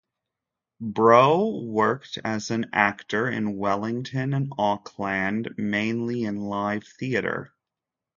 Brough worked as an actor in Wellington and Auckland, mainly in live theatre.